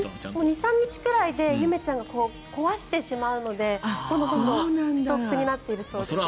２３日くらいでゆめちゃんが壊してしまうのでストックになっているそうです。